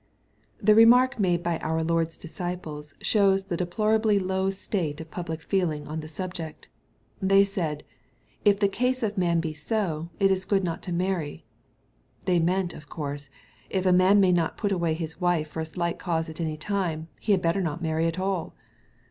The remark made by our Lord's disciples shows the deplor ably low state of public feeling on the subject. They said, ^^ If the case of the man be so, it is not good to marry." They meant of course, " if a man may not put away his wife for a slight cause at any time, be had better not marry at all."